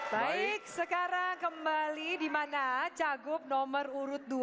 baik sekarang kembali di mana cagup nomor urut dua